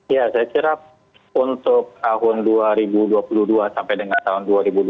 ya saya kira untuk tahun dua ribu dua puluh dua sampai dengan tahun dua ribu dua puluh